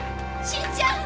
信ちゃん！